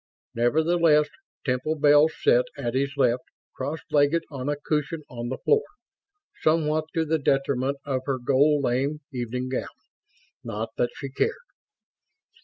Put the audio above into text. Nevertheless, Temple Bells sat at his left, cross legged on a cushion on the floor somewhat to the detriment of her gold lame evening gown. Not that she cared.